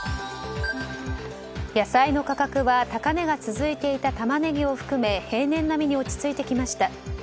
野菜の価格は高値が続いていたタマネギを含め平年並みに落ち着いてきました。